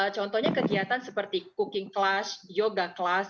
contohnya kegiatan seperti cooking class yoga class